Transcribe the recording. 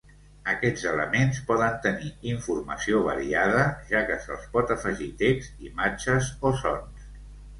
Aquests elements poden tenir informació variada, ja que se’ls pot afegir text, imatges o sons.